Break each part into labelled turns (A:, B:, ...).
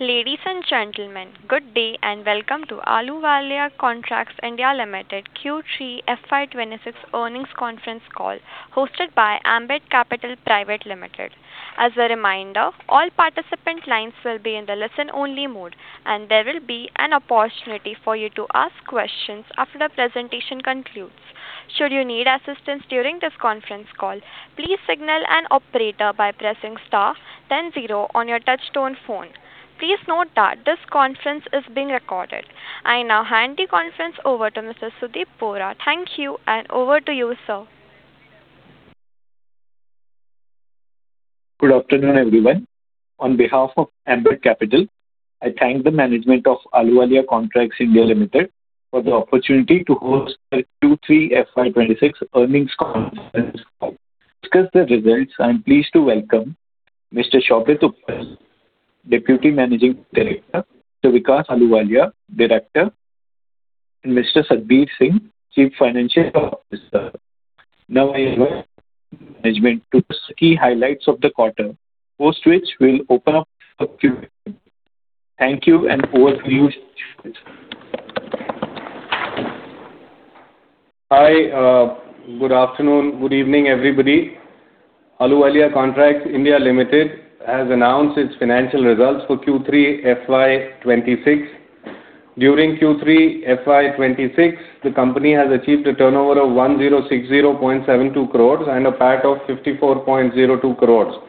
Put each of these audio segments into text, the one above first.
A: Ladies and gentlemen, good day, and welcome to Ahluwalia Contracts (India) Limited Q3 FY 2026 earnings conference call, hosted by Ambit Capital Private Limited. As a reminder, all participant lines will be in the listen-only mode, and there will be an opportunity for you to ask questions after the presentation concludes. Should you need assistance during this conference call, please signal an operator by pressing star, then zero on your touchtone phone. Please note that this conference is being recorded. I now hand the conference over to Mr. Sudeep Bora. Thank you, and over to you, sir.
B: Good afternoon, everyone. On behalf of Ambit Capital, I thank the management of Ahluwalia Contracts India Limited for the opportunity to host the Q3 FY 2026 earnings conference call. To discuss the results, I'm pleased to welcome Mr. Shobhit Uppal, Deputy Managing Director; Mr. Vikas Ahluwalia, Director; and Mr. Satbeer Singh, Chief Financial Officer. Now, I invite the management to discuss key highlights of the quarter, post which we'll open up Q&A. Thank you, and over to you, Shobhit.
C: Hi, good afternoon, good evening, everybody. Ahluwalia Contracts (India) Limited has announced its financial results for Q3 FY 2026. During Q3 FY 2026, the company has achieved a turnover of 1,060.72 crore and a PAT of 54.02 crore,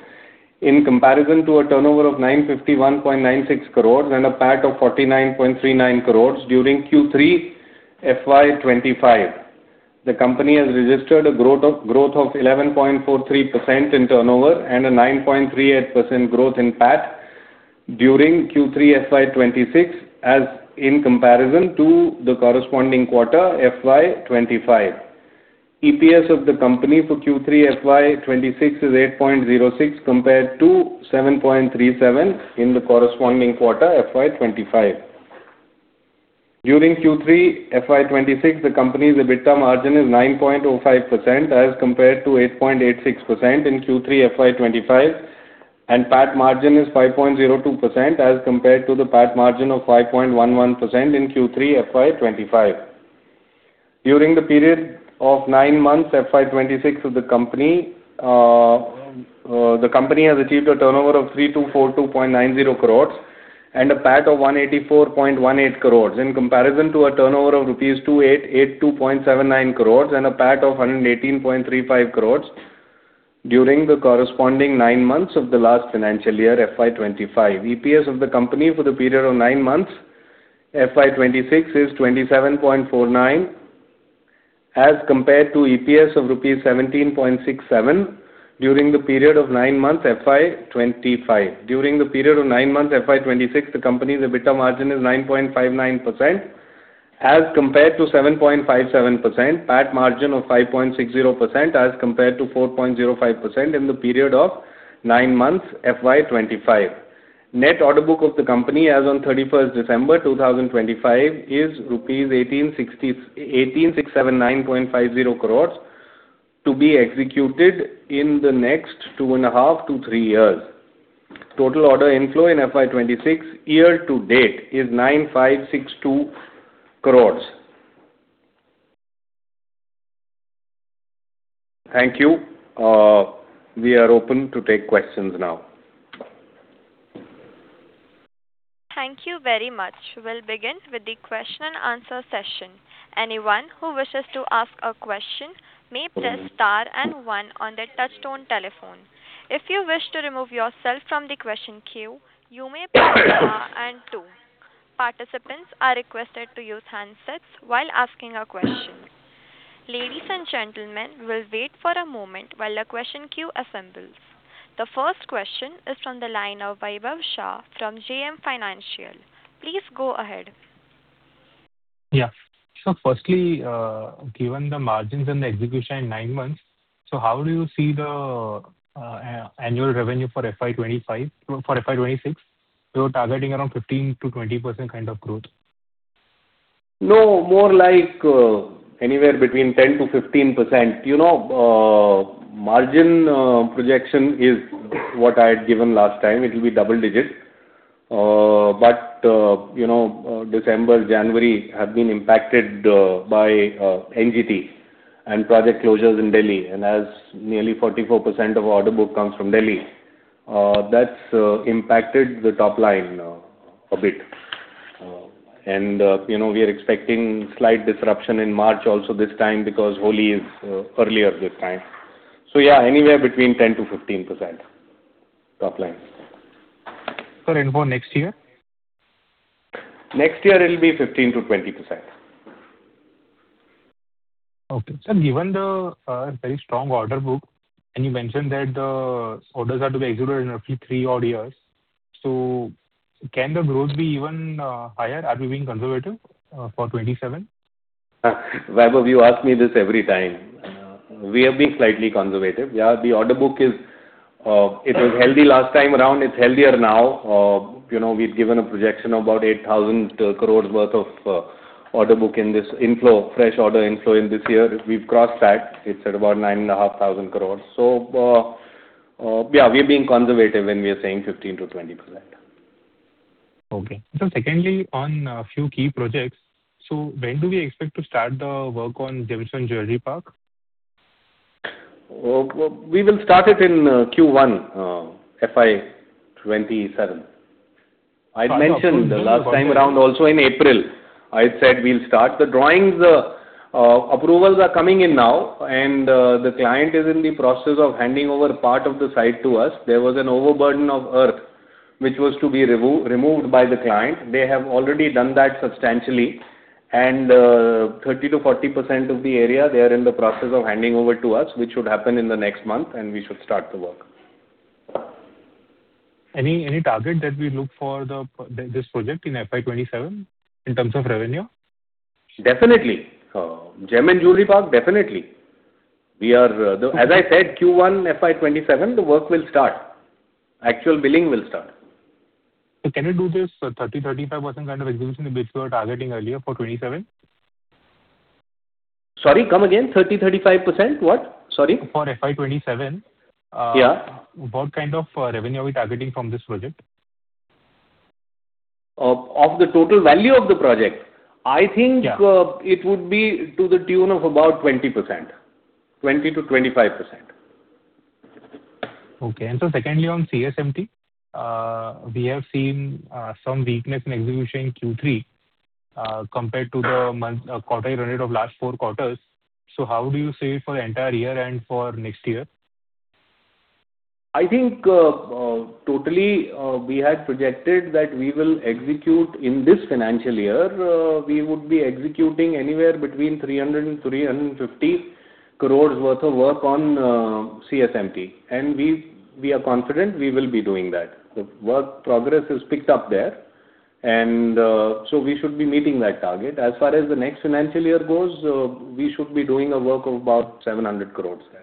C: in comparison to a turnover of 951.96 crore and a PAT of 49.39 crore during Q3 FY 2025. The company has registered a growth of 11.43% in turnover and a 9.38% growth in PAT during Q3 FY 2026, as in comparison to the corresponding quarter, FY 2025. EPS of the company for Q3 FY 2026 is 8.06, compared to 7.37 in the corresponding quarter, FY 2025. During Q3 FY 2026, the company's EBITDA margin is 9.05%, as compared to 8.86% in Q3 FY 2025, and PAT margin is 5.02%, as compared to the PAT margin of 5.11% in Q3 FY 2025. During the period of nine months, FY 2026 of the company, the company has achieved a turnover of 3,242.90 crore and a PAT of 184.18 crore, in comparison to a turnover of rupees 2,882.79 crore and a PAT of 118.35 crore during the corresponding nine months of the last financial year, FY 2025. EPS of the company for the period of nine months, FY 2026, is 27.49, as compared to EPS of INR 17.67 during the period of nine months, FY 2025. During the period of nine months, FY 2026, the company's EBITDA margin is 9.59%, as compared to 7.57%, PAT margin of 5.60%, as compared to 4.05% in the period of nine months, FY 2025. Net order book of the company as on 31st December 2025, is rupees 1,867.95 crore, to be executed in the next two and a half to three years. Total order inflow in FY 2026, year to date, is 956.2 crore. Thank you. We are open to take questions now.
A: Thank you very much. We'll begin with the question and answer session. Anyone who wishes to ask a question may press star and one on their touchtone telephone. If you wish to remove yourself from the question queue, you may press star and two. Participants are requested to use handsets while asking a question. Ladies and gentlemen, we'll wait for a moment while the question queue assembles. The first question is from the line of Vaibhav Shah from JM Financial. Please go ahead.
D: Yeah. So firstly, given the margins and the execution in nine months, so how do you see the annual revenue for FY 2025, for FY 2026? So targeting around 15%-20% kind of growth?
C: No, more like, anywhere between 10%-15%. You know, margin projection is what I had given last time, it will be double digits. But, you know, December, January, have been impacted by NGT and project closures in Delhi. And as nearly 44% of order book comes from Delhi, that's impacted the top line a bit. And, you know, we are expecting slight disruption in March also this time because Holi is earlier this time. So yeah, anywhere between 10%-15%, top line.
D: But and for next year?
C: Next year, it'll be 15%-20%.
D: Okay. Sir, given the very strong order book, and you mentioned that the orders are to be executed in roughly three odd years, so can the growth be even higher? Are we being conservative for 27?
C: Vaibhav, you ask me this every time. We are being slightly conservative. Yeah, the order book is, it was healthy last time around, it's healthier now. You know, we've given a projection of about 8,000 crore worth of order book in this inflow, fresh order inflow in this year, we've crossed that. It's at about 9,500 crore. So, yeah, we're being conservative when we are saying 15%-20%.
D: Okay. So secondly, on a few key projects, so when do we expect to start the work on Gem & Jewelry Park?
C: Well, we will start it in Q1 FY 2027. I mentioned the last time around, also in April, I said we'll start. The drawings approvals are coming in now, and the client is in the process of handing over part of the site to us. There was an overburden of earth, which was to be removed by the client. They have already done that substantially, and 30%-40% of the area, they are in the process of handing over to us, which should happen in the next month, and we should start the work.
D: Any target that we look for this project in FY 2027 in terms of revenue?
C: Definitely. Gem & Jewelry Park, definitely. We are-
D: Okay.
C: As I said, Q1, FY 2027, the work will start. Actual billing will start.
D: Can you do this 30%-35% kind of execution which you were targeting earlier for 2027?
C: Sorry, come again. 30, 35% what? Sorry.
D: For FY 2027,
C: Yeah.
D: What kind of revenue are we targeting from this project?
C: Off the total value of the project?
D: Yeah.
C: I think, it would be to the tune of about 20%. 20%-25%.
D: Okay. And so secondly, on CSMT, we have seen some weakness in execution in Q3, compared to the month, quarter run rate of last four quarters. So how do you see it for the entire year and for next year?
C: I think, totally, we had projected that we will execute in this financial year, we would be executing anywhere between 300 crore and 350 crore worth of work on CSMT, and we, we are confident we will be doing that. The work progress has picked up there, and so we should be meeting that target. As far as the next financial year goes, we should be doing a work of about 700 crore there.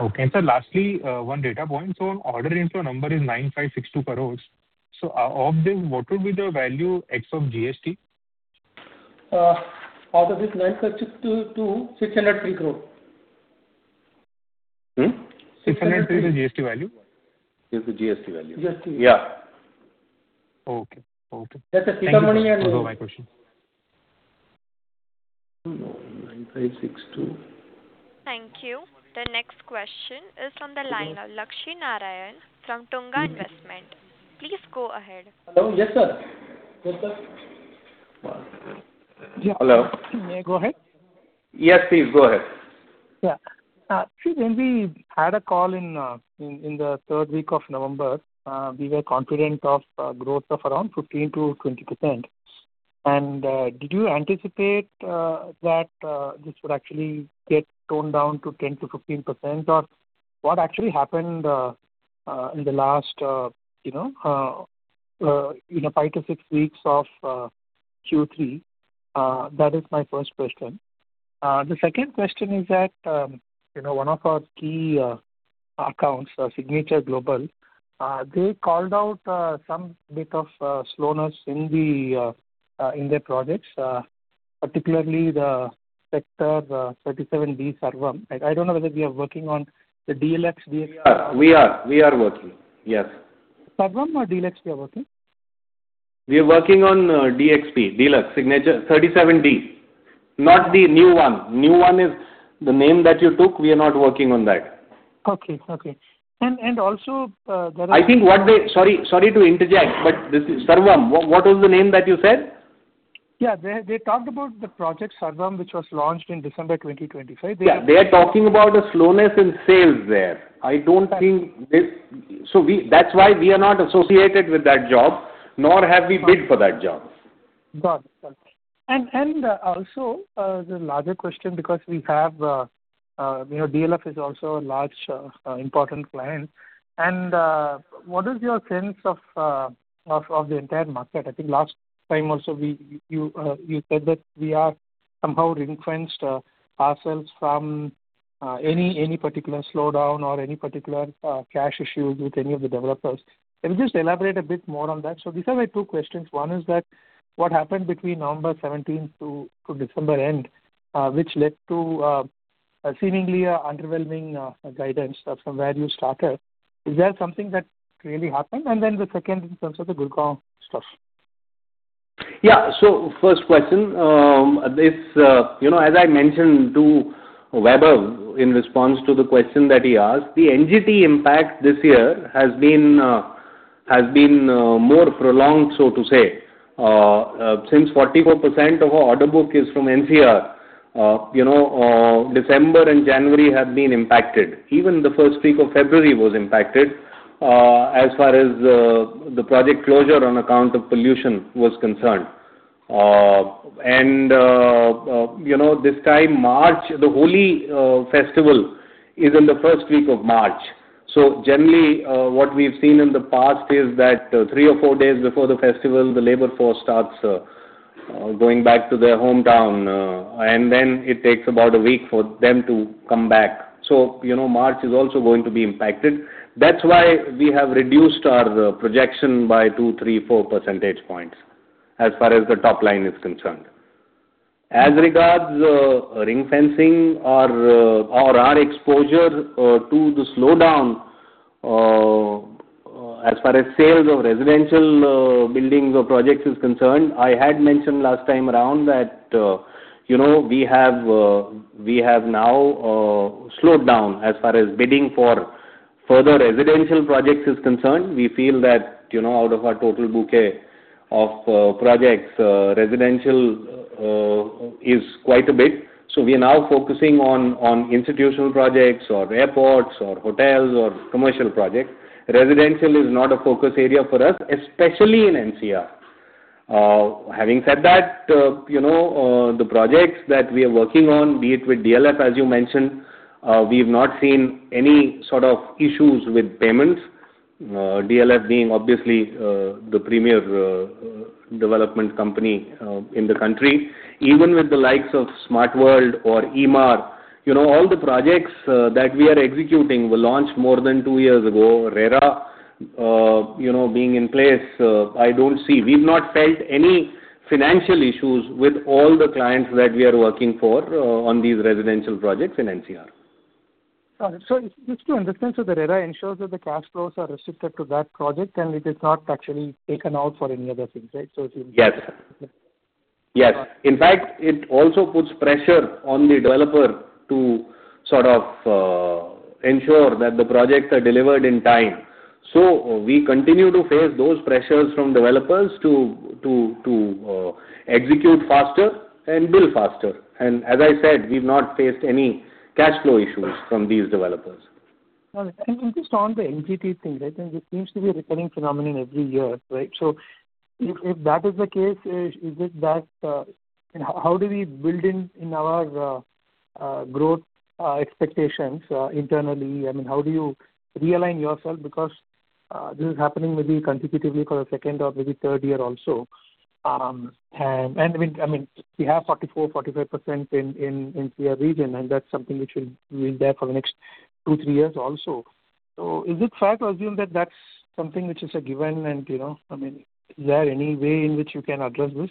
D: Okay. Sir, lastly, one data point. Order inflow number is 9,562 crore. Of this, what will be the value ex-GST?
E: Out of this 9,562.603 crore.
C: Hmm?
D: INR 603 is the GST value?
C: Is the GST value.
E: GST.
C: Yeah.
D: Okay. Okay.
E: That's the money-
D: Those are my questions.
C: INR 9562.
A: Thank you. The next question is from the line of Lakshmi Narayanan from Tunga Investment. Please go ahead.
F: Hello. Yes, sir. Yes, sir.
C: Hello?
F: May I go ahead?
C: Yes, please go ahead.
F: Yeah. See, when we had a call in the third week of November, we were confident of growth of around 15%-20%. Did you anticipate that this would actually get toned down to 10%-15%? Or what actually happened in the last, you know, 5-6 weeks of Q3? That is my first question. The second question is that, you know, one of our key accounts, Signature Global, they called out some bit of slowness in their projects, particularly the sector 37D, Sarvam. I don't know whether we are working on the DLX, DX-
C: We are. We are working, yes.
F: Sarvam or DLX, we are working?
C: We are working on DXP, Deluxe, Signature 37D. Not the new one. New one is the name that you took, we are not working on that.
F: Okay. Okay. And also, there are-
C: I think what they... Sorry, sorry to interject, but this is Sarvam. What, what was the name that you said?
F: Yeah, they talked about the project, Sarvam, which was launched in December 2025
C: Yeah, they are talking about a slowness in sales there. I don't think-
F: Right.
C: So that's why we are not associated with that job, nor have we bid for that job.
F: Got it. Got it. And also, the larger question, because we have, you know, DLF is also a large, important client. And what is your sense of the entire market? I think last time also we, you, you said that we are somehow ring-fenced ourselves from any particular slowdown or any particular cash issues with any of the developers. Can you just elaborate a bit more on that? So these are my two questions. One is that what happened between November 17th to December end, which led to a seemingly underwhelming guidance from where you started. Is there something that really happened? And then the second in terms of the Gurgaon stuff.
C: Yeah. So first question, this, you know, as I mentioned to Weber in response to the question that he asked, the NGT impact this year has been more prolonged, so to say. Since 44% of our order book is from NCR, you know, December and January have been impacted. Even the first week of February was impacted, as far as the project closure on account of pollution was concerned. And, you know, this time, March, the Holi festival is in the first week of March. So generally, what we've seen in the past is that, three or four days before the festival, the labor force starts going back to their hometown, and then it takes about a week for them to come back. So, you know, March is also going to be impacted. That's why we have reduced our projection by 2-4 percentage points, as far as the top line is concerned. As regards ring fencing or our exposure to the slowdown, as far as sales of residential buildings or projects is concerned, I had mentioned last time around that, you know, we have we have now slowed down. As far as bidding for further residential projects is concerned, we feel that, you know, out of our total bouquet of projects, residential is quite a bit. So we are now focusing on on institutional projects or airports or hotels or commercial projects. Residential is not a focus area for us, especially in NCR. Having said that, you know, the projects that we are working on, be it with DLF, as you mentioned, we've not seen any sort of issues with payments. DLF being obviously the premier development company in the country. Even with the likes of Smart World or Emaar, you know, all the projects that we are executing were launched more than two years ago. RERA, you know, being in place, I don't see... We've not felt any financial issues with all the clients that we are working for on these residential projects in NCR.
F: Got it. So just to understand, so the RERA ensures that the cash flows are restricted to that project, and it is not actually taken out for any other things, right? So it's-
C: Yes. Yes. In fact, it also puts pressure on the developer to sort of ensure that the projects are delivered in time. So we continue to face those pressures from developers to execute faster and build faster. And as I said, we've not faced any cash flow issues from these developers.
F: And just on the NGT thing, right, and it seems to be a recurring phenomenon every year, right? So if that is the case, is it that and how do we build in our growth expectations internally? I mean, how do you realign yourself? Because this is happening maybe consecutively for the second or maybe third year also. And I mean, we have 44%-45% in NCR region, and that's something which will be there for the next 2-3 years also. So is it fair to assume that that's something which is a given and, you know, I mean, is there any way in which you can address this?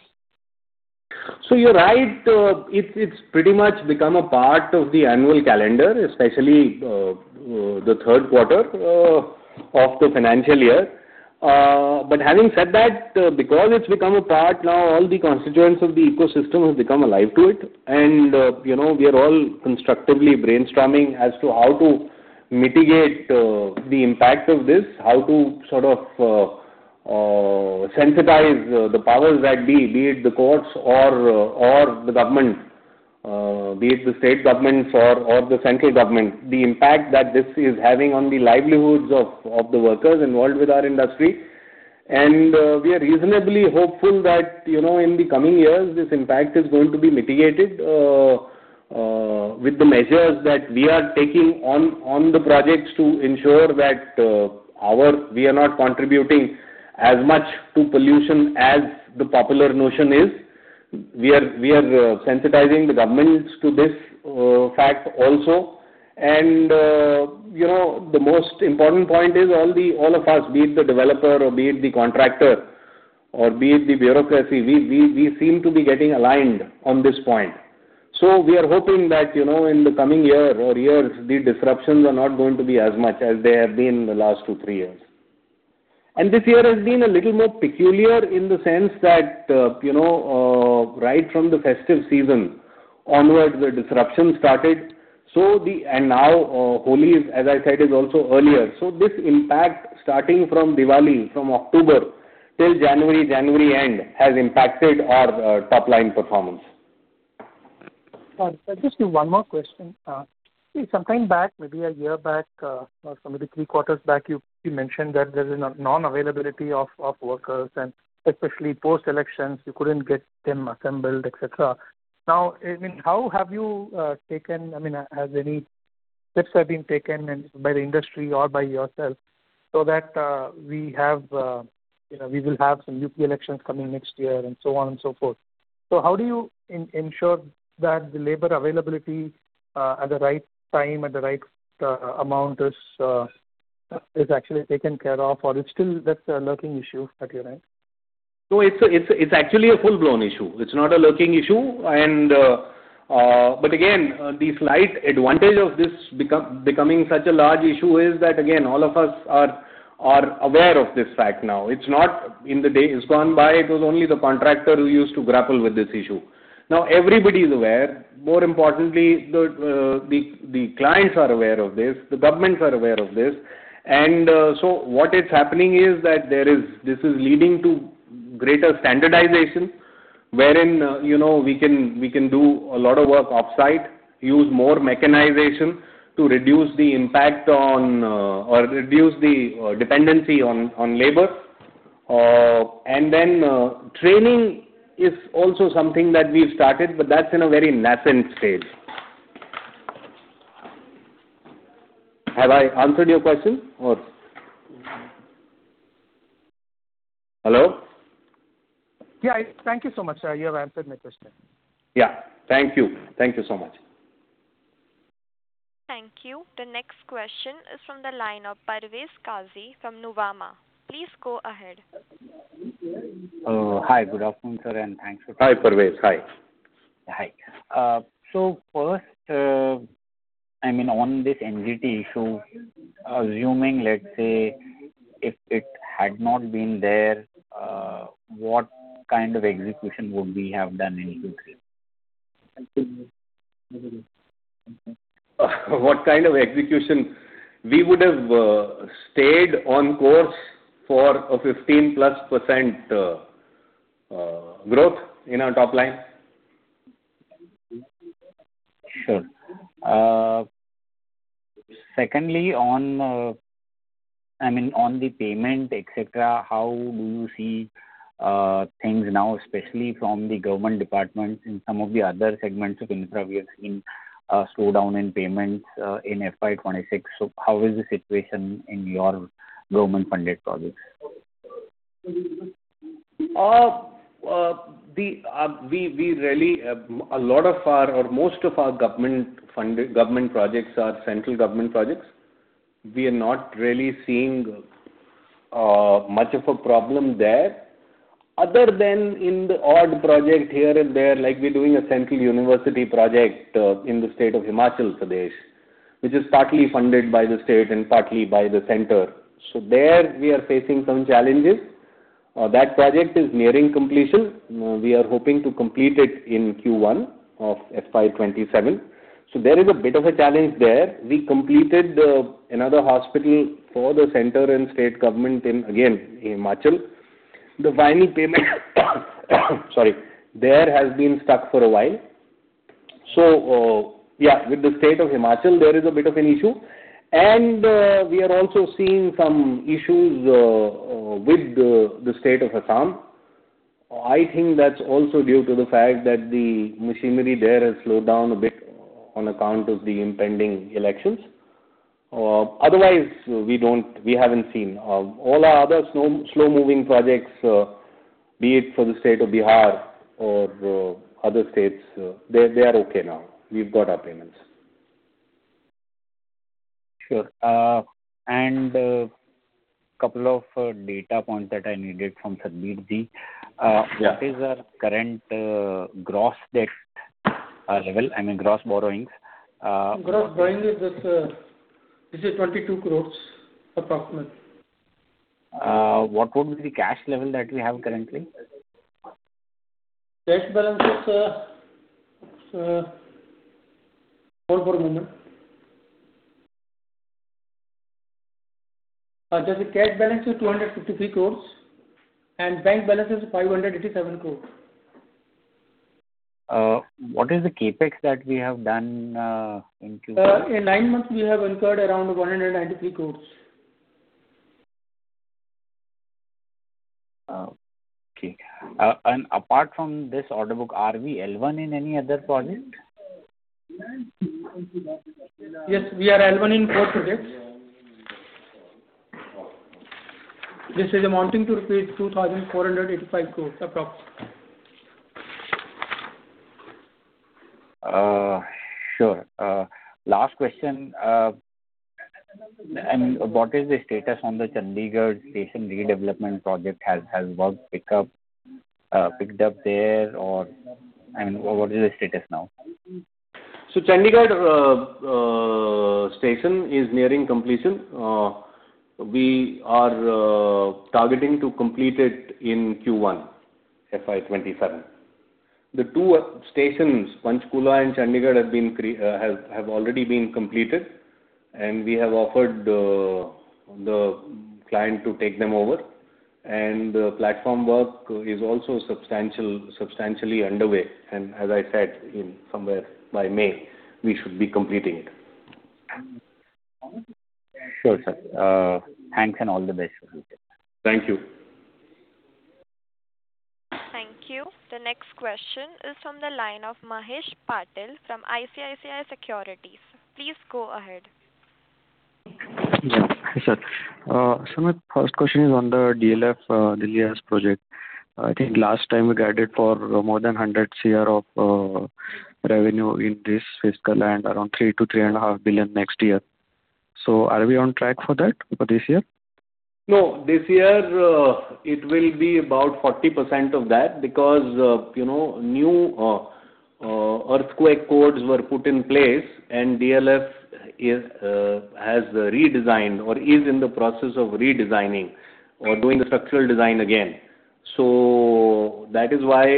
C: So you're right, it's, it's pretty much become a part of the annual calendar, especially, the third quarter, of the financial year. But having said that, because it's become a part now, all the constituents of the ecosystem have become alive to it. And, you know, we are all constructively brainstorming as to how to mitigate, the impact of this, how to sort of, sensitize, the powers that be, be it the courts or, or the government, be it the state governments or, or the central government, the impact that this is having on the livelihoods of, of the workers involved with our industry. We are reasonably hopeful that, you know, in the coming years, this impact is going to be mitigated with the measures that we are taking on the projects to ensure that we are not contributing as much to pollution as the popular notion is. We are sensitizing the governments to this fact also. You know, the most important point is all of us, be it the developer or be it the contractor or be it the bureaucracy, we seem to be getting aligned on this point. So we are hoping that, you know, in the coming year or years, the disruptions are not going to be as much as they have been in the last two, three years. This year has been a little more peculiar in the sense that, you know, right from the festive season onwards, the disruption started. Now, Holi, as I said, is also earlier. This impact, starting from Diwali, from October till January, January end, has impacted our top-line performance.
F: Just one more question. Sometime back, maybe a year back, or maybe three quarters back, you mentioned that there is a non-availability of workers, and especially post-elections, you couldn't get them assembled, et cetera. Now, I mean, how have you taken—I mean, has any steps are being taken by the industry or by yourself, so that we have, you know, we will have some UP elections coming next year and so on and so forth. So how do you ensure that the labor availability at the right time, at the right amount is actually taken care of, or it's still that's a lurking issue at your end?
C: So it's actually a full-blown issue. It's not a lurking issue, but again, the slight advantage of this becoming such a large issue is that, again, all of us are aware of this fact now. It's not in the days gone by, it was only the contractor who used to grapple with this issue. Now, everybody is aware. More importantly, the clients are aware of this, the governments are aware of this. So what is happening is that this is leading to greater standardization, wherein you know, we can do a lot of work offsite, use more mechanization to reduce the impact on or reduce the dependency on labor. And then, training is also something that we've started, but that's in a very nascent stage. Have I answered your question or? Hello?
F: Yeah, thank you so much, sir. You have answered my question.
C: Yeah. Thank you. Thank you so much.
A: Thank you. The next question is from the line of Parvez Qazi from Nuvama. Please go ahead.
G: Hi, good afternoon, sir, and thanks for—
C: Hi, Parvez. Hi.
G: Hi. So first, I mean, on this NGT issue, assuming, let's say, if it had not been there, what kind of execution would we have done in Q3?
C: What kind of execution? We would have stayed on course for a 15%+ growth in our top line.
G: Sure. Secondly, on, I mean, on the payment, et cetera, et cetera, how do you see things now, especially from the government departments and some of the other segments of infra, we have seen a slowdown in payments in FY 2026. So how is the situation in your government-funded projects?
C: We really, a lot of our or most of our government-funded government projects are central government projects. We are not really seeing much of a problem there, other than in the odd project here and there, like we're doing a central university project in the state of Himachal Pradesh, which is partly funded by the state and partly by the center. So there, we are facing some challenges. That project is nearing completion. We are hoping to complete it in Q1 of FY 2027. So there is a bit of a challenge there. We completed another hospital for the center and state government in, again, Himachal. The final payment, sorry, there has been stuck for a while. So, yeah, with the state of Himachal, there is a bit of an issue, and we are also seeing some issues with the state of Assam. I think that's also due to the fact that the machinery there has slowed down a bit on account of the impending elections. Otherwise, we haven't seen. All our other slow-moving projects, be it for the state of Bihar or other states, they are okay now. We've got our payments.
G: Sure. And, couple of data points that I needed from Sarbjit Ji.
C: Yeah.
G: What is our current gross debt level, I mean, gross borrowings?
E: Gross borrowing is just, this is 22 crore, approximately.
G: What would be the cash level that we have currently?
E: Cash balance is. Hold for a minute. The cash balance is 253 crore, and bank balance is 587 crore.
G: What is the CapEx that we have done in Q1?
E: In nine months, we have incurred around 193 crore.
G: Okay. And apart from this order book, are we L1 in any other project?
E: Yes, we are L1 in four projects. This is amounting to rupees 2,485 crore, approx.
G: Sure. Last question, and what is the status on the Chandigarh Railway Station redevelopment project? Has work picked up there or, I mean, what is the status now?
C: So Chandigarh station is nearing completion. We are targeting to complete it in Q1, FY 2027. The two stations, Panchkula and Chandigarh, have already been completed, and we have offered the client to take them over, and the platform work is also substantially underway. As I said, in somewhere by May, we should be completing it.
G: Sure, sir. Thanks and all the best.
C: Thank you.
A: Thank you. The next question is from the line of Mahesh Patil from ICICI Securities. Please go ahead.
H: Yeah. Hi, sir. So my first question is on the DLF Delhi project. I think last time we guided for more than 100 crore of revenue in this fiscal and around 3 billion-3.5 billion next year. Are we on track for that for this year?
C: No, this year it will be about 40% of that because you know, new earthquake codes were put in place, and DLF has redesigned or is in the process of redesigning or doing the structural design again. So that is why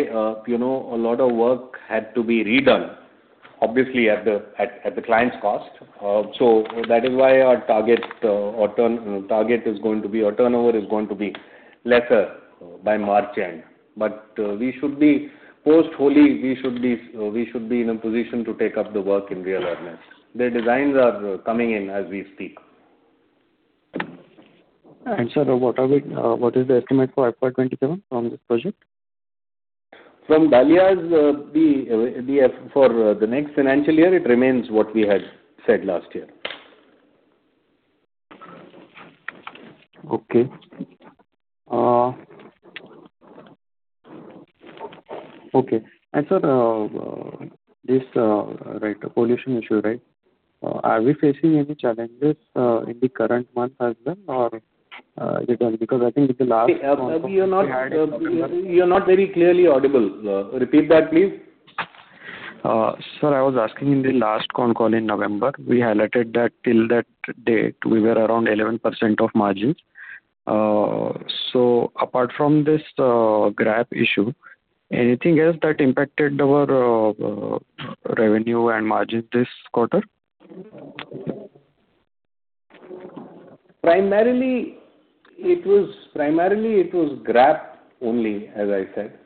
C: you know, a lot of work had to be redone, obviously, at the client's cost. So that is why our target or turnover is going to be lesser by March end. But we should be post-Holi in a position to take up the work in real earnest. The designs are coming in as we speak.
H: Sir, what are we, what is the estimate for FY 2027 from this project?
C: From Dalia's for the next financial year, it remains what we had said last year.
H: Okay. Okay. And sir, this right, pollution issue, right? Are we facing any challenges in the current month as well, or because I think in the last-
C: You are not, you are not very clearly audible. Repeat that, please.
H: Sir, I was asking in the last con call in November, we highlighted that till that date, we were around 11% of margins. So apart from this GRAP issue, anything else that impacted our revenue and margin this quarter?
I: Primarily, it was GRAP only, as I said.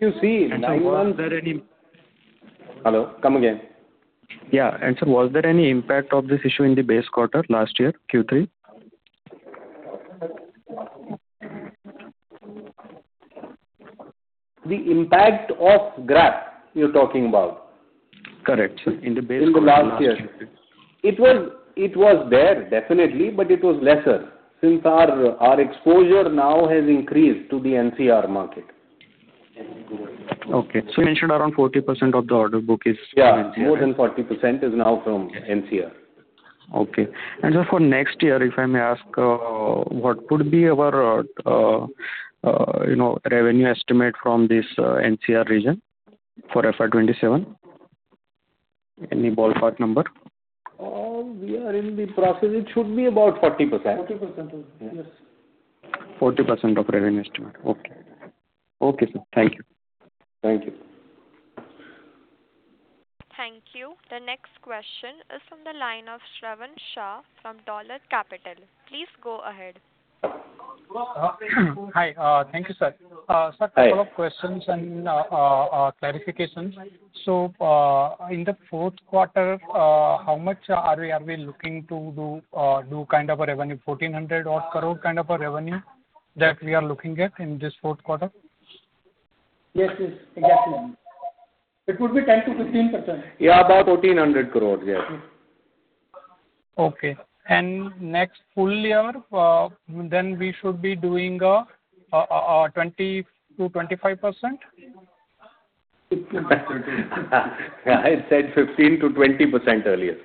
I: You see, number-
H: Was there any-
C: Hello, come again.
H: Yeah. Sir, was there any impact of this issue in the base quarter last year, Q3?
C: The impact of GRAP, you're talking about?
H: Correct, sir. In the base quarter last year.
C: In the last year, it was there, definitely, but it was lesser. Since our exposure now has increased to the NCR market.
H: Okay. So you mentioned around 40% of the order book is from NCR.
C: Yeah, more than 40% is now from NCR.
H: Okay. So for next year, if I may ask, what would be our, you know, revenue estimate from this, NCR region for FY 2027? Any ballpark number?
C: We are in the process. It should be about 40%.
E: 40%, yes.
H: 40% of revenue estimate. Okay. Okay, sir. Thank you.
C: Thank you.
A: Thank you. The next question is from the line of Shravan Shah from Dolat Capital. Please go ahead.
J: Hi. Thank you, sir.
C: Hi.
J: Sir, couple of questions and clarifications. So, in the fourth quarter, how much are we looking to do kind of a revenue, 1,400 crore kind of a revenue that we are looking at in this fourth quarter?
E: Yes, yes, exactly. It would be 10%-15%.
C: Yeah, about 1,400 crore, yes.
J: Okay. Next full year, then we should be doing 20%-25%?
C: I said 15%-20% earlier.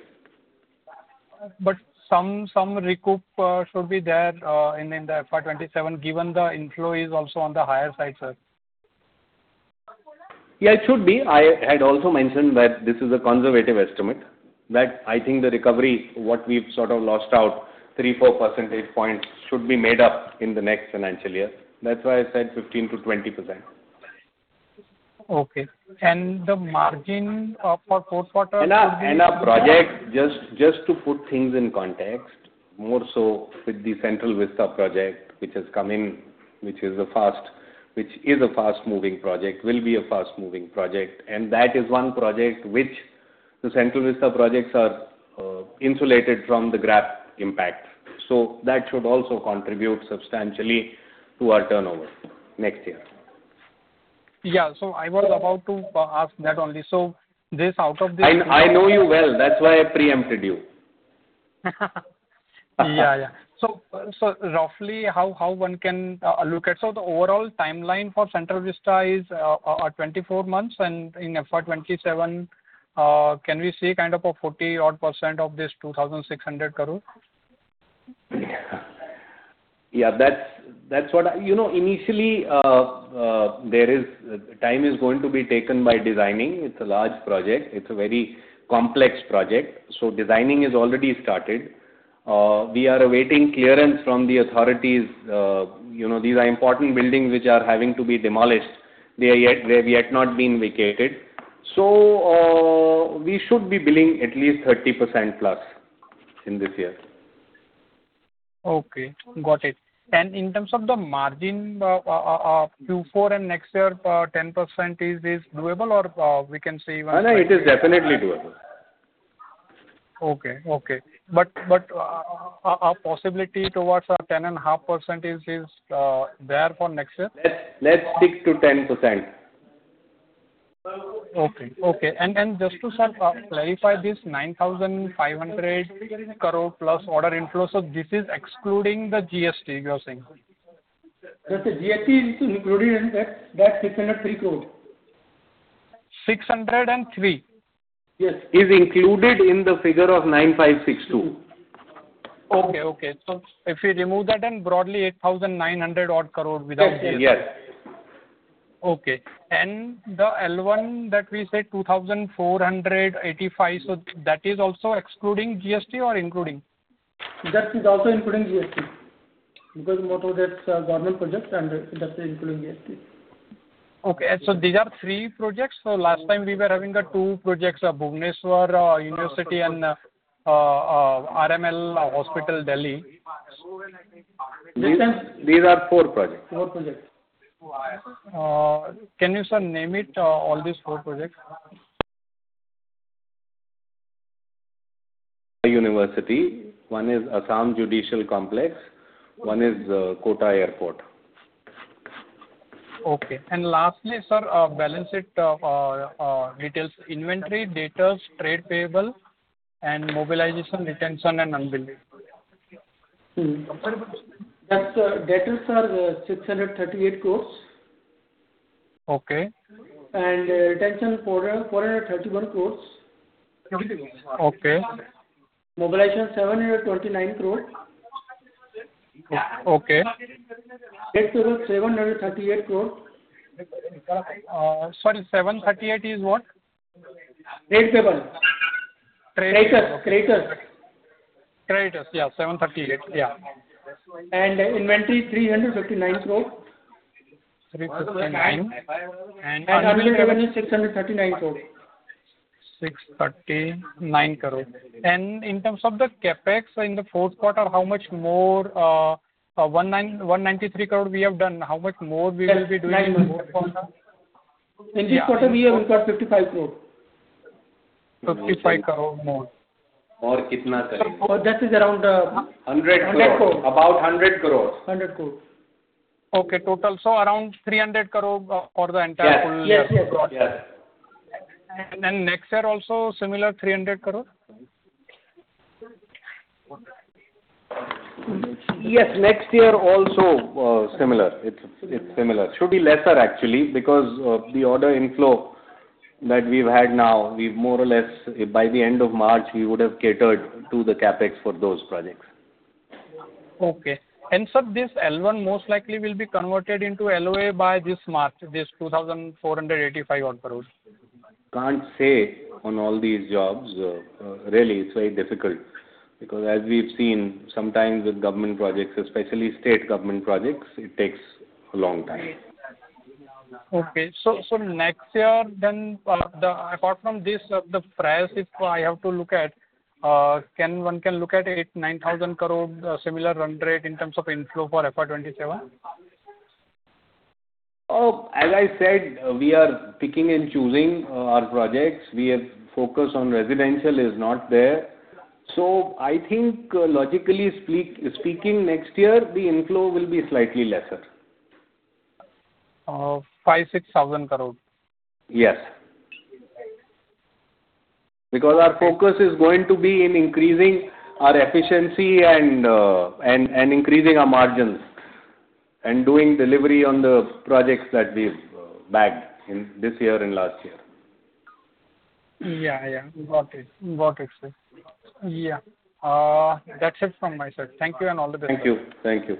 J: But some recoup should be there in the FY 2027, given the inflow is also on the higher side, sir.
C: Yeah, it should be. I had also mentioned that this is a conservative estimate, that I think the recovery, what we've sort of lost out, 3-4 percentage points should be made up in the next financial year. That's why I said 15%-20%.
J: Okay. And the margin of our fourth quarter-
C: And our project, just to put things in context, more so with the Central Vista Project, which has come in, which is a fast-moving project, and that is one project which the Central Vista projects are insulated from the GRAP impact. So that should also contribute substantially to our turnover next year.
J: Yeah. So I was about to ask that only. So this out of the-
C: I know you well, that's why I preempted you.
J: Yeah, yeah. So roughly, how one can look at... So the overall timeline for Central Vista is 24 months, and in FY 2027, can we see kind of a 40-odd% of this 2,600 crore?
C: Yeah, that's what I. You know, initially, time is going to be taken by designing. It's a large project. It's a very complex project, so designing is already started. We are awaiting clearance from the authorities, you know, these are important buildings which are having to be demolished. They have yet not been vacated. So, we should be billing at least 30%+ in this year.
J: Okay, got it. In terms of the margin, Q4 and next year, 10%, is this doable or, we can say even-
C: No, no, it is definitely doable.
J: Okay. But, a possibility towards a 10.5% is there for next year?
C: Let's stick to 10%.
J: Okay, okay. And just to, sir, clarify this 9,500 crore+ order inflows, so this is excluding the GST, you're saying?
E: Yes, the GST is included in that, that 603 crore.
J: 603?
E: Yes.
C: Is included in the figure of 9,562.
J: Okay, okay. So if you remove that, then broadly 8,900 odd crore without GST.
C: Yes.
J: Okay. And the L1 that we said, 2,485, so that is also excluding GST or including?
E: That is also including GST, because most of that's government projects, and that is including GST.
J: Okay. So these are three projects. So last time, we were having the two projects of Bhubaneswar University and RML Hospital, Delhi.
C: These are four projects.
E: Four projects.
J: Can you, sir, name it, all these four projects?
C: University, one is Assam Judicial Complex, one is Kota Airport.
J: Okay. And lastly, sir, balance sheet details, inventory, debtors, trade payable, and mobilization, retention and unbilled.
E: Hmm. That's debtors are INR 638 crore.
J: Okay.
E: Retention, INR 431 crore.
J: Okay.
E: Mobilization, INR 729 crore.
J: Okay.
E: Date payable, INR 738 crore.
J: Sorry, 738 is what?
E: Date payable.
J: Trade-
E: Creditors, creditors.
J: Creditors, yeah, 738. Yeah.
E: Inventory, 359 crore.
J: 359, and-
E: Unbilled revenue, 639 crore.
J: 639 crore. In terms of the CapEx in the fourth quarter, how much more, 193 crore we have done. How much more we will be doing in the quarter?
E: In this quarter, we have 55 crore.
J: 55 crore more.
C: More.
J: That is around-
C: INR 100 crore.
E: INR 100 crore.
C: About 100 crores.
E: 100 crores.
J: Okay, total, so around 300 crore for the entire full year?
C: Yes.
E: Yes, yes.
C: Yeah.
J: Then next year also, similar 300 crore?
C: Yes, next year also, similar. It's, it's similar. Should be lesser, actually, because the order inflow that we've had now, we've more or less, by the end of March, we would have catered to the CapEx for those projects.
J: Okay. Sir, this L1 most likely will be converted into LOA by this March, this 2,485-odd crore.
C: Can't say on all these jobs, really, it's very difficult because as we've seen, sometimes with government projects, especially state government projects, it takes a long time.
J: Okay. So next year, then, apart from this, the price, if I have to look at, can one look at 8,000 crore-9,000 crore, similar run rate in terms of inflow for FY 2027?
C: Oh, as I said, we are picking and choosing our projects. We are focus on residential is not there. So I think, logically speak, next year, the inflow will be slightly lesser.
J: INR 5,000 crore-INR 6,000 crore?
C: Yes. Because our focus is going to be in increasing our efficiency and increasing our margins, and doing delivery on the projects that we've bagged in this year and last year.
J: Yeah, yeah. Got it. Got it, sir. Yeah. That's it from my side. Thank you and all the best.
C: Thank you.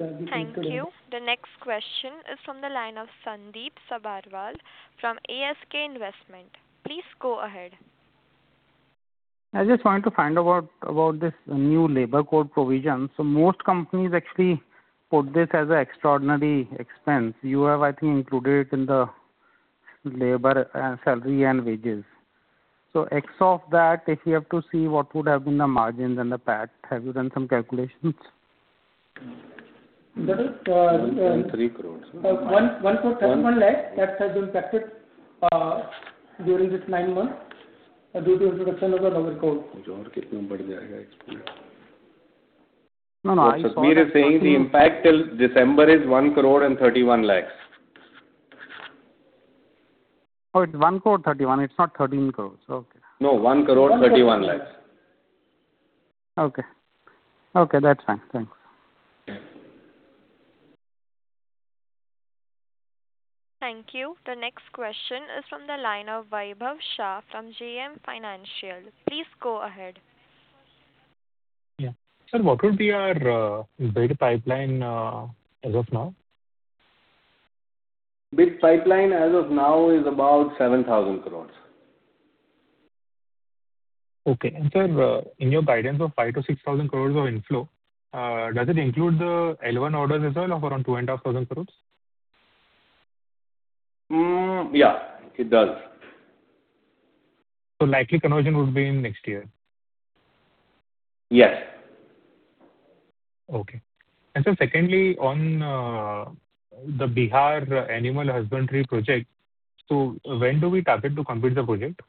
C: Thank you.
A: Thank you. The next question is from the line of Sandip Sabharwal from ASK Investment. Please go ahead.
K: I just wanted to find about this new labor code provision. So most companies actually put this as an extraordinary expense. You have, I think, included it in the labor, salary and wages. So ex of that, if you have to see what would have been the margins in the past, have you done some calculations?
E: That is-
C: 1.3 crore.
E: 1.31 crore that has been impacted during this nine months due to introduction of the labor code.
K: No, no, I saw-
C: Sandeep is saying the impact till December is 1.31 crore.
K: Oh, it's 1.31 crore, it's not 13 crore. Okay.
C: No, 1.31 crore.
K: Okay. Okay, that's fine. Thanks.
C: Okay.
A: Thank you. The next question is from the line of Vaibhav Shah from JM Financial. Please go ahead.
D: Yeah. Sir, what would be our bid pipeline as of now?
C: Bid pipeline as of now is about 7,000 crore.
D: Okay. And, sir, in your guidance of 5,000 crore-6,000 crore of inflow, does it include the L1 orders as well of around 2,500 crore?
C: Hmm, yeah, it does.
D: Likely conversion would be in next year?
C: Yes.
D: Okay. And sir, secondly, on the Bihar Animal Husbandry project, so when do we target to complete the project?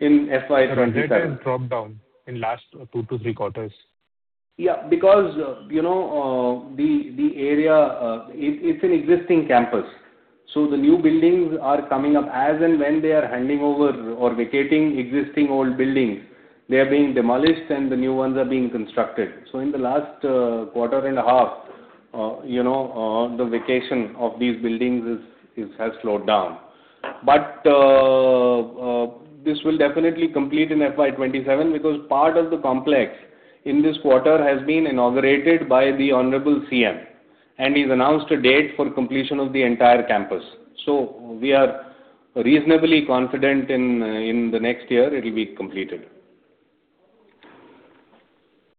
C: In FY 2027.
D: Because it has dropped down in last 2-3 quarters.
C: Yeah, because, you know, the area, it, it's an existing campus, so the new buildings are coming up as and when they are handing over or vacating existing old buildings. They are being demolished and the new ones are being constructed. So in the last quarter and a half, you know, the vacation of these buildings has slowed down. But, this will definitely complete in FY 2027, because part of the complex in this quarter has been inaugurated by the Honorable CM, and he's announced a date for completion of the entire campus. So we are reasonably confident in the next year, it will be completed.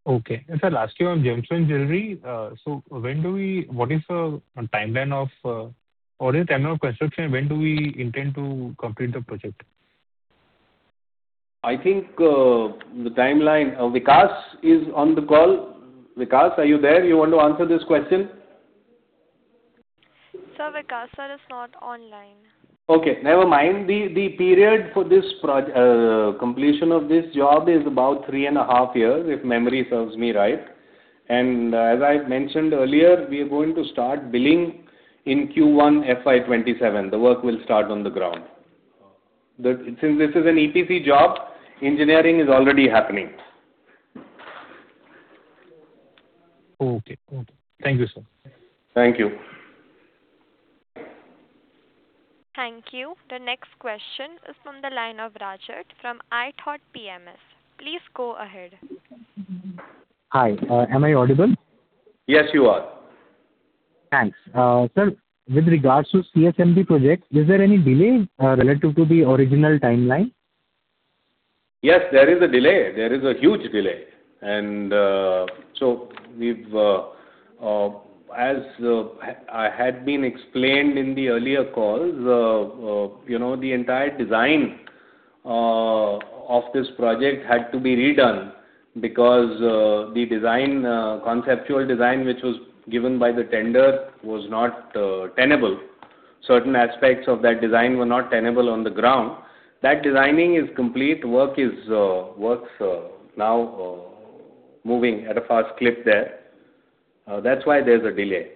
D: Okay. And sir, last year on Gem & Jewelry, so when do we—what is the timeline of, or the timeline of construction, and when do we intend to complete the project?
C: I think, the timeline, Vikas is on the call. Vikas, are you there? You want to answer this question?
A: Sir, Vikas, sir, is not online.
C: Okay, never mind. The period for completion of this job is about three and a half years, if memory serves me right. As I mentioned earlier, we are going to start billing in Q1 FY 2027, the work will start on the ground. Since this is an EPC job, engineering is already happening.
D: Okay. Okay. Thank you, sir.
C: Thank you.
A: Thank you. The next question is from the line of Rajat from ITOT PMS. Please go ahead.
L: Hi, am I audible?
C: Yes, you are.
L: Thanks. Sir, with regards to CSMT project, is there any delay, relative to the original timeline?
C: Yes, there is a delay. There is a huge delay. And so, as had been explained in the earlier calls, you know, the entire design of this project had to be redone because the conceptual design, which was given by the tender, was not tenable. Certain aspects of that design were not tenable on the ground. That designing is complete, work is now moving at a fast clip there. That's why there's a delay.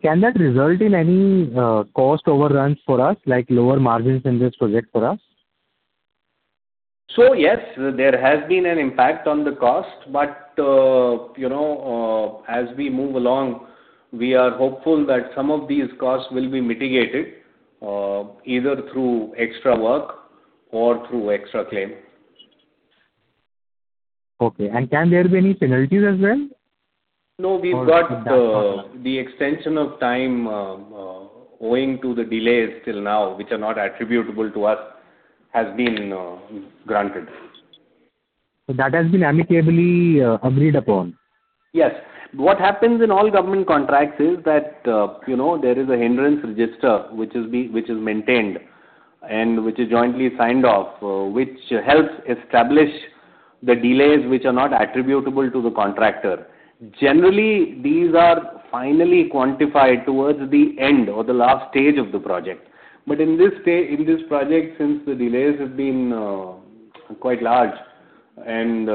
L: Can that result in any cost overruns for us, like lower margins in this project for us?
C: So yes, there has been an impact on the cost, but, you know, as we move along, we are hopeful that some of these costs will be mitigated, either through extra work or through extra claim.
L: Okay. And can there be any penalties as well?
C: No, we've got the extension of time owing to the delays till now, which are not attributable to us, has been granted.
L: That has been amicably agreed upon?
C: Yes. What happens in all government contracts is that, you know, there is a hindrance register, which is maintained and which is jointly signed off, which helps establish the delays which are not attributable to the contractor. Generally, these are finally quantified towards the end or the last stage of the project. But in this project, since the delays have been quite large and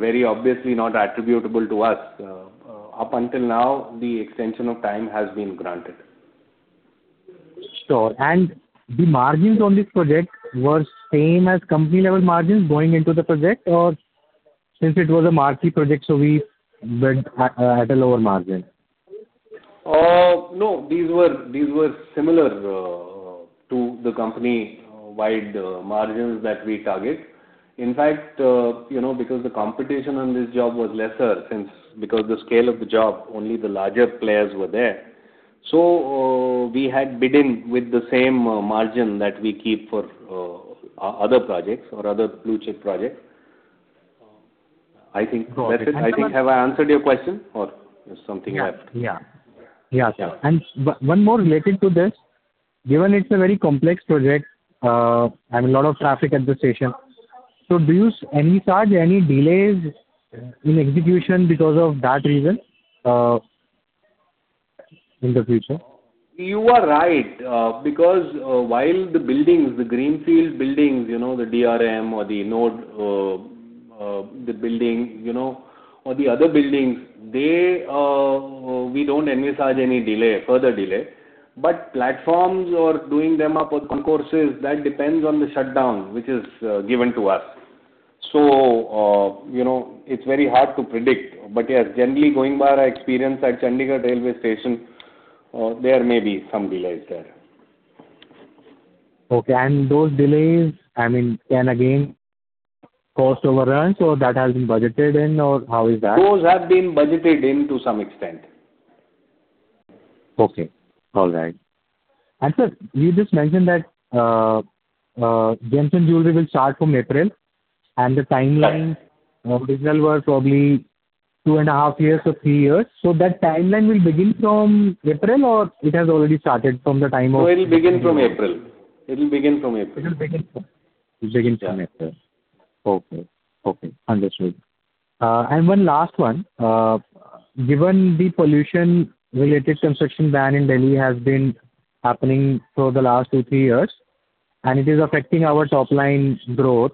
C: very obviously not attributable to us, up until now, the extension of time has been granted.
L: Sure. And the margins on this project were same as company-level margins going into the project? Or since it was a marquee project, so we bid at a lower margin.
C: No, these were, these were similar to the company-wide margins that we target. In fact, you know, because the competition on this job was lesser, since because the scale of the job, only the larger players were there. So, we had bidden with the same margin that we keep for other projects or other blue-chip projects. I think that's it.
L: Thank you.
C: I think, have I answered your question or there's something left?
L: Yeah. Yeah.
C: Yeah.
L: One more related to this. Given it's a very complex project, and a lot of traffic at the station, so do you envisage any delays in execution because of that reason, in the future?
C: You are right, because while the buildings, the greenfield buildings, you know, the DRM or the node, the building, you know, or the other buildings, they, we don't envisage any delay, further delay. But platforms or doing them up or concourses, that depends on the shutdown, which is given to us. So, you know, it's very hard to predict. But yes, generally, going by our experience at Chandigarh Railway Station, there may be some delays there.
L: Okay. And those delays, I mean, can again cost overruns or that has been budgeted in, or how is that?
C: Those have been budgeted in to some extent.
L: Okay. All right. Sir, you just mentioned that Gem & Jewelry Park will start from April, and the timeline original was probably 2.5 years or 3 years. So that timeline will begin from April, or it has already started from the time of-
C: No, it'll begin from April. It'll begin from April.
L: It begins from April.
C: Yeah.
L: Okay. Okay, understood. And one last one. Given the pollution-related construction ban in Delhi has been happening for the last 2-3 years, and it is affecting our top-line growth,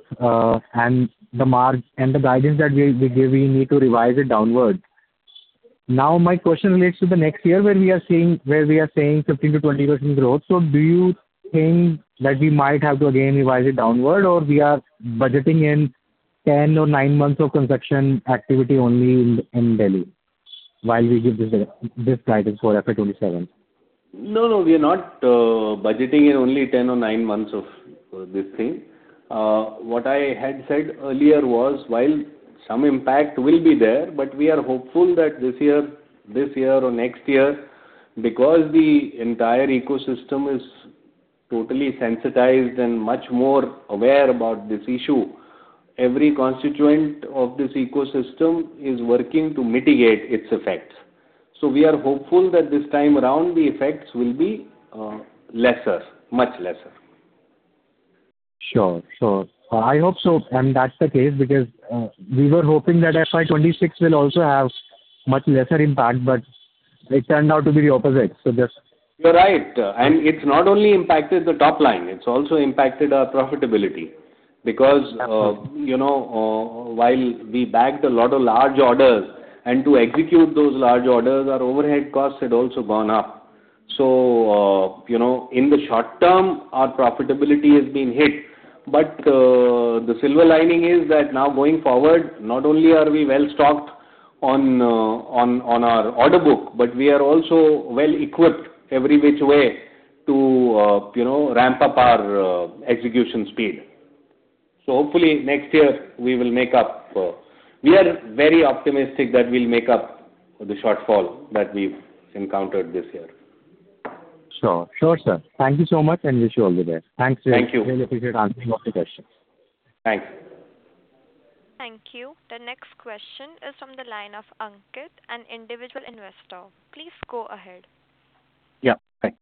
L: and the guidance that we give, we need to revise it downward. Now, my question relates to the next year, where we are saying 15%-20% growth. So do you think that we might have to again revise it downward, or we are budgeting in 10 or 9 months of construction activity only in Delhi while we give this guidance for FY 2027?
C: No, no, we are not budgeting in only 10 or 9 months of this thing. What I had said earlier was, while some impact will be there, but we are hopeful that this year, this year or next year, because the entire ecosystem is totally sensitized and much more aware about this issue, every constituent of this ecosystem is working to mitigate its effects. So we are hopeful that this time around, the effects will be lesser, much lesser.
L: Sure. Sure. I hope so, and that's the case, because we were hoping that FY 2026 will also have much lesser impact, but it turned out to be the opposite. So just-
C: You're right, and it's not only impacted the top line, it's also impacted our profitability. Because, you know, while we bagged a lot of large orders, and to execute those large orders, our overhead costs had also gone up. So, you know, in the short term, our profitability has been hit, but, the silver lining is that now going forward, not only are we well-stocked on, on our order book, but we are also well-equipped every which way to, you know, ramp up our execution speed. So hopefully, next year we will make up. We are very optimistic that we'll make up the shortfall that we've encountered this year.
L: Sure. Sure, sir. Thank you so much, and wish you all the best.
C: Thank you.
L: Thanks for answering all the questions.
C: Thanks.
A: Thank you. The next question is from the line of Ankit, an individual investor. Please go ahead.
M: Yeah, hi.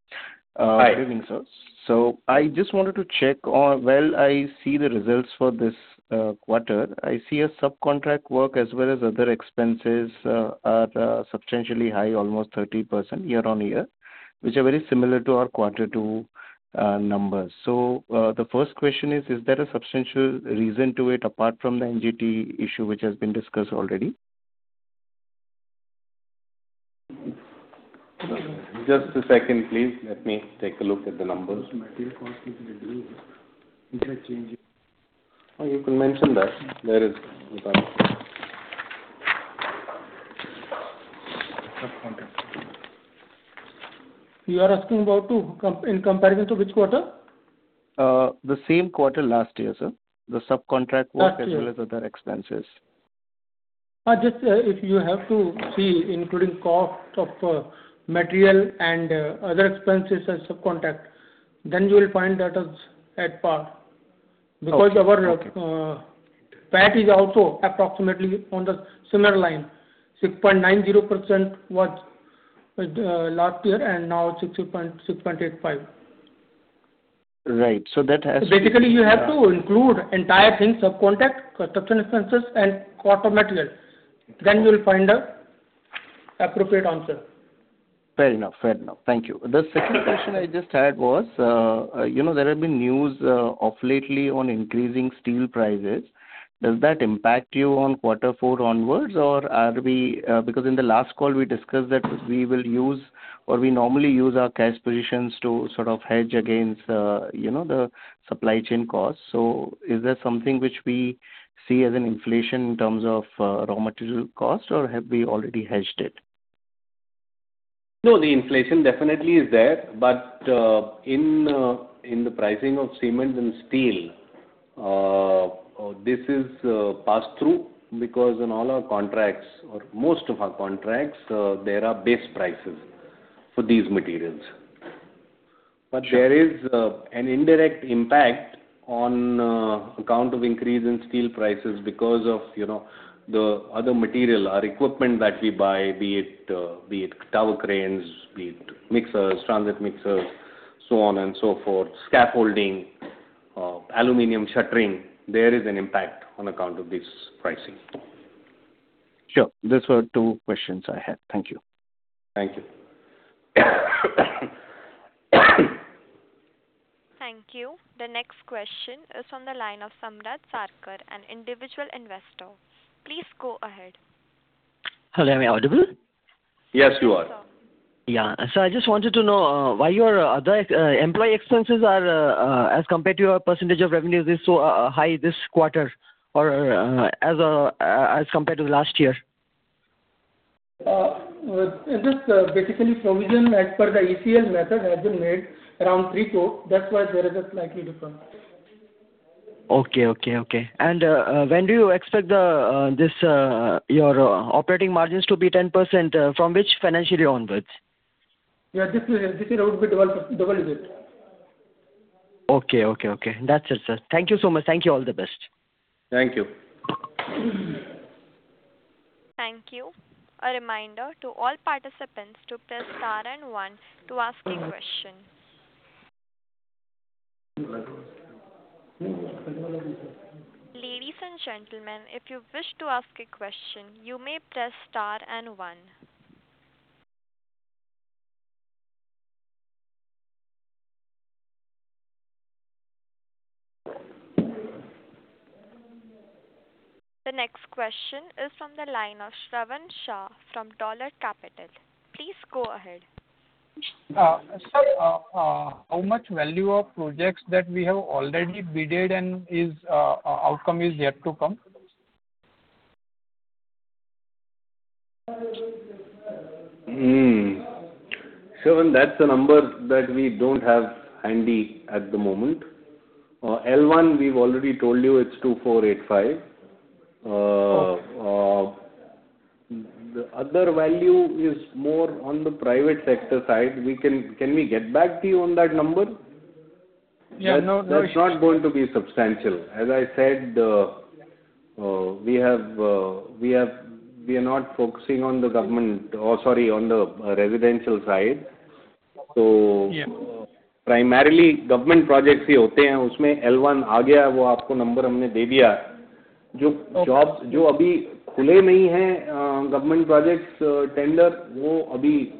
C: Hi.
M: Good evening, sirs. So I just wanted to check on. Well, I see the results for this quarter. I see a subcontract work as well as other expenses are substantially high, almost 30% year-on-year, which are very similar to our Quarter Two numbers. So, the first question is: Is there a substantial reason to it apart from the NGT issue, which has been discussed already?
C: Just a second, please. Let me take a look at the numbers.
E: Material costs is reducing. It has changed.
C: Oh, you can mention that. There is the contract.
E: Subcontract. You are asking about to in comparison to which quarter?
M: The same quarter last year, sir. The subcontract work-
E: Last year....
M: as well as other expenses.
E: Just, if you have to see, including cost of material and other expenses and subcontract, then you will find that is at par.
M: Okay.
E: Because our PAT is also approximately on the similar line, 6.90% was last year, and now it's 6.85%.
M: Right. So that has-
E: Basically, you have to include entire things: subcontract, construction expenses, and cost of materials. Then you will find the appropriate answer.
M: Fair enough. Fair enough. Thank you.
E: Thank you.
M: The second question I just had was, you know, there have been news of lately on increasing steel prices. Does that impact you on quarter four onwards, or are we... Because in the last call, we discussed that we will use or we normally use our cash positions to sort of hedge against, you know, the supply chain costs. So is there something which we see as an inflation in terms of raw material costs, or have we already hedged it?
C: No, the inflation definitely is there, but in the pricing of cement and steel, this is passed through, because in all our contracts or most of our contracts, there are base prices for these materials.
M: Sure.
C: But there is an indirect impact on account of increase in steel prices because of, you know, the other material, our equipment that we buy, be it, be it tower cranes, be it mixers, transit mixers, so on and so forth, scaffolding, aluminum shuttering; there is an impact on account of this pricing.
M: Sure. These were two questions I had. Thank you.
C: Thank you.
A: Thank you. The next question is from the line of Samrat Sarkar, an individual investor. Please go ahead.
N: Hello, am I audible?
C: Yes, you are.
A: Yes, sir.
N: Yeah. So I just wanted to know why your other employee expenses are, as compared to your percentage of revenues, so high this quarter or as compared to last year?
E: This basically provision as per the ACL method has been made around 3 crore. That's why there is a slight difference.
N: Okay, okay, okay. When do you expect your operating margins to be 10%, from which financial year onwards?
E: Yeah, this, this year would be double, double digit.
N: Okay, okay, okay. That's it, sir. Thank you so much. Thank you. All the best.
C: Thank you.
A: Thank you. A reminder to all participants to press star and one to ask a question. Ladies and gentlemen, if you wish to ask a question, you may press star and one. The next question is from the line of Shravan Shah from Dolat Capital. Please go ahead.
J: Sir, how much value of projects that we have already bid and is outcome is yet to come?
C: Shravan, that's a number that we don't have handy at the moment. L1, we've already told you it's 2485. The other value is more on the private sector side. We can get back to you on that number?
J: Yeah, no-
C: That's not going to be substantial. As I said, we are not focusing on the government or, sorry, on the residential side. So-
J: Yeah.
C: Primarily, government projects, L1, number. Jobs, government projects, tender,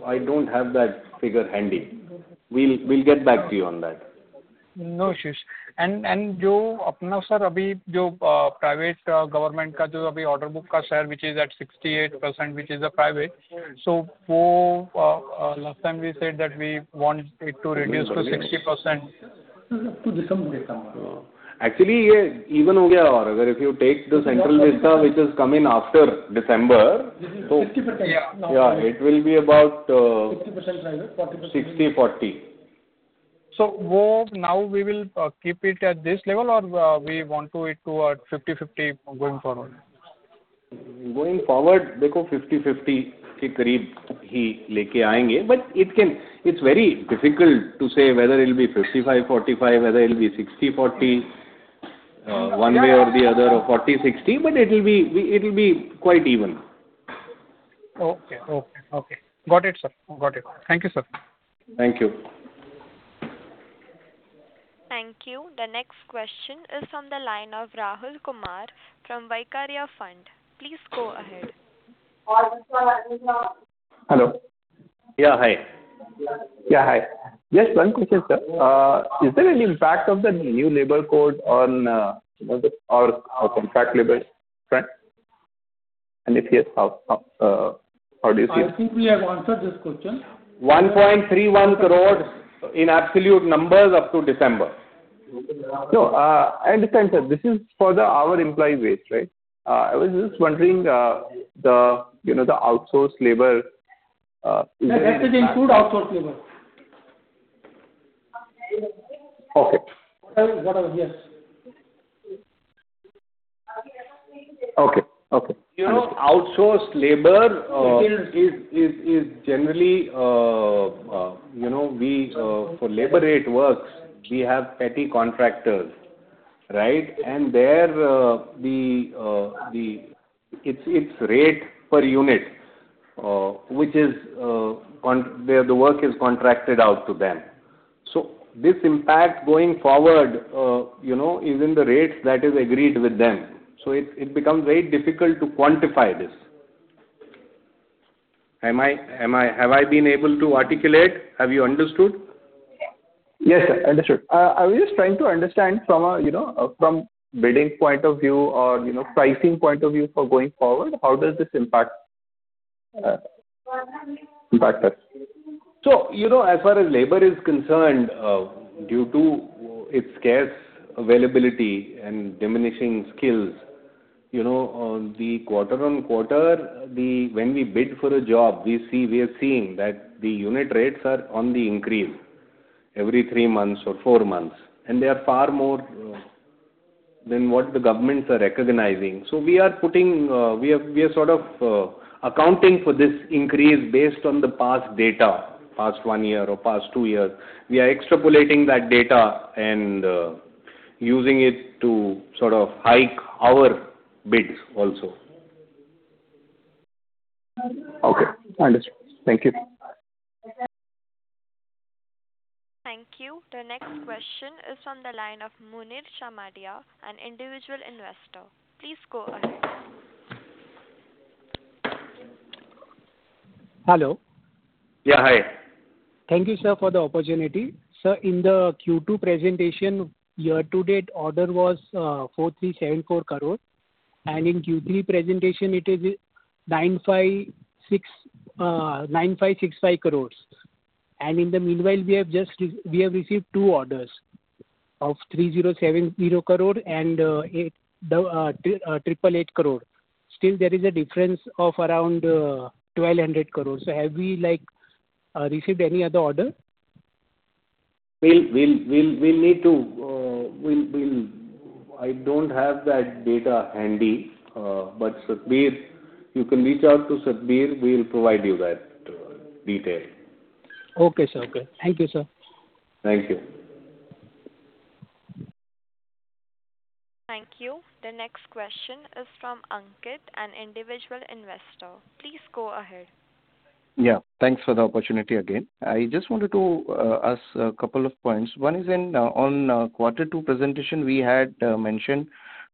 C: I don't have that figure handy. We'll get back to you on that.
J: No issues. And jo apana sir, abi jo private, government ka jo abi order book ka share, which is at 68%, which is a private. So wo, last time we said that we want it to reduce to 60%.
C: Actually, even if you take the Central Vista, which is coming after December, so-
J: 60%.
C: Yeah, it will be about-
J: 50% private, 40%-
C: 60%, 40%.
J: So now we will keep it at this level, or we want to it to 50/50 going forward?
C: Going forward, they go 50/50... But it can, it's very difficult to say whether it'll be 55/45, whether it'll be 60/40, one way or the other, or 40/60, but it'll be quite even.
J: Okay. Okay. Okay. Got it, sir. Got it. Thank you, sir.
C: Thank you.
A: Thank you. The next question is from the line of Rahul Kumar from Vaikarya Fund. Please go ahead.
O: Hello.
C: Yeah, hi.
O: Yeah, hi. Just one question, sir. Is there any impact of the new labor code on, you know, our contract labor trend? And if yes, how do you see it?
C: I think we have answered this question. INR 1.31 crore in absolute numbers up to December.
O: No, I understand, sir. This is for our employee wage, right? I was just wondering, you know, the outsourced labor, is it-
C: Sir, that includes outsourced labor.
O: Okay.
C: What are, yes.
O: Okay. Okay.
C: You know, outsourced labor is generally, you know, for labor rate works, we have petty contractors, right? And there, it's rate per unit, which is where the work is contracted out to them. So this impact going forward, you know, is in the rates that is agreed with them. So it becomes very difficult to quantify this. Am I, have I been able to articulate? Have you understood?
O: Yes, sir, understood. I was just trying to understand from a, you know, from bidding point of view or, you know, pricing point of view for going forward, how does this impact that?
C: So, you know, as far as labor is concerned, due to its scarce availability and diminishing skills, you know, the quarter on quarter, when we bid for a job, we see, we are seeing that the unit rates are on the increase every three months or four months, and they are far more than what the governments are recognizing. So we are putting, we are, we are sort of, accounting for this increase based on the past data, past one year or past two years. We are extrapolating that data and, using it to sort of hike our bids also.
O: Okay, understood. Thank you.
A: Thank you. The next question is from the line of Munir Shamadia, an individual investor. Please go ahead.
P: Hello.
C: Yeah, hi.
P: Thank you, sir, for the opportunity. Sir, in the Q2 presentation, year-to-date order was 4374 crore, and in Q3 presentation it is 9565 crores. In the meanwhile, we have received two orders of 3070 crore and 888 crore. Still, there is a difference of around 1200 crores. So have we, like, received any other order?
C: We'll need to. I don't have that data handy, but Satbeer, you can reach out to Satbeer. We'll provide you that detail.
P: Okay, sir. Okay. Thank you, sir.
C: Thank you.
A: Thank you. The next question is from Ankit, an individual investor. Please go ahead.
J: Yeah, thanks for the opportunity again. I just wanted to ask a couple of points. One is in on quarter two presentation, we had mentioned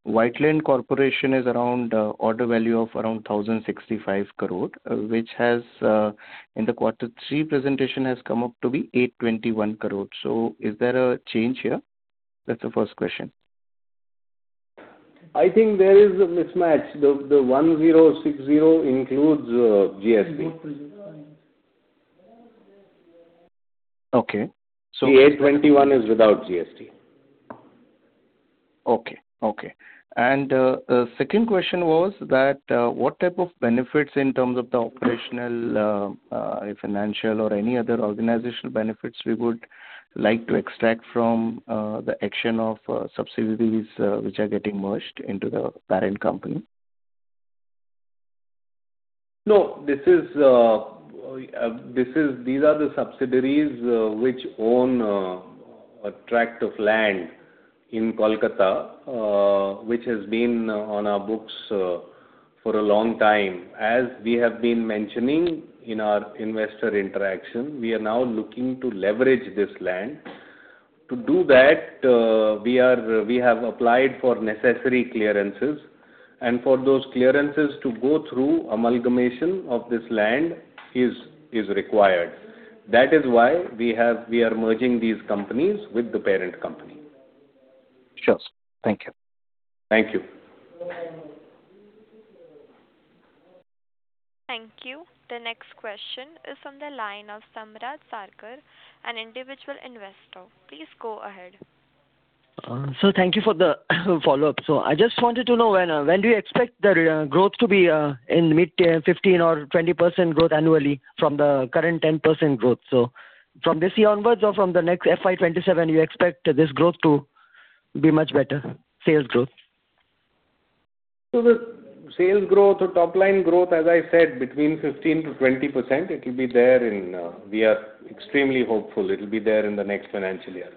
J: Whiteland Corporation is around order value of around 1,065 crore, which has in the quarter three presentation has come up to be 821 crore. So is there a change here? That's the first question.
C: I think there is a mismatch. The 1060 includes GST.
J: Okay.
C: The 821 is without GST.
J: Okay, okay. The second question was that, what type of benefits in terms of the operational, financial or any other organizational benefits we would- ...like to extract from, the action of, subsidiaries which are getting merged into the parent company?
C: No, these are the subsidiaries which own a tract of land in Kolkata which has been on our books for a long time. As we have been mentioning in our investor interaction, we are now looking to leverage this land. To do that, we have applied for necessary clearances, and for those clearances to go through, amalgamation of this land is required. That is why we are merging these companies with the parent company.
P: Sure. Thank you.
C: Thank you.
A: Thank you. The next question is on the line of Samrat Sarkar, an individual investor. Please go ahead.
N: Sir, thank you for the follow-up. So I just wanted to know when do you expect the growth to be in mid-15 or 20% growth annually from the current 10% growth? So from this year onwards or from the next FY 2027, you expect this growth to be much better, sales growth.
C: So the sales growth or top line growth, as I said, between 15%-20%, it will be there in the next financial year. We are extremely hopeful it will be there in the next financial year.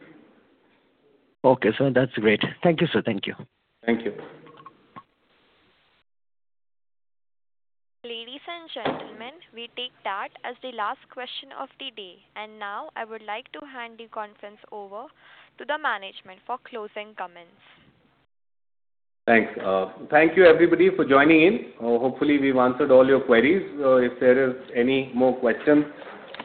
N: Okay, sir, that's great. Thank you, sir. Thank you.
C: Thank you.
A: Ladies and gentlemen, we take that as the last question of the day, and now I would like to hand the conference over to the management for closing comments.
C: Thanks. Thank you, everybody, for joining in. Hopefully, we've answered all your queries. If there is any more questions,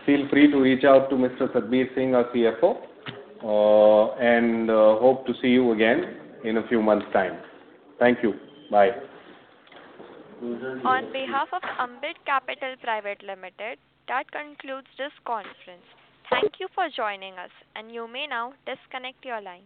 C: feel free to reach out to Mr. Satbeer Singh, our CFO, and hope to see you again in a few months' time. Thank you. Bye.
A: On behalf of Ambit Capital Private Limited, that concludes this conference. Thank you for joining us, and you may now disconnect your line.